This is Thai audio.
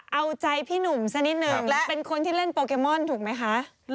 เอาใจพี่หนุ่มซะนิดหนึ่งเป็นคนที่เล่นโปเกมอนถูกไหมคะใช่